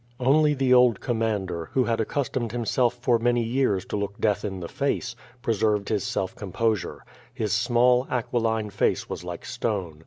Only the old commander, who had accustomed himself for many years to look death in the face, preserved his self com posure. His small, aquiline face was like stone.